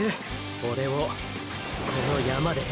オレをこの山で？